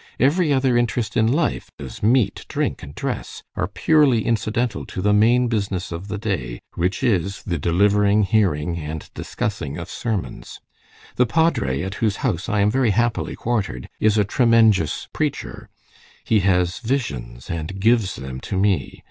Every other interest in life, as meat, drink, and dress, are purely incidental to the main business of the day, which is the delivering, hearing, and discussing of sermons. "The padre, at whose house I am very happily quartered, is a 'tremenjous' preacher. He has visions, and gives them to me.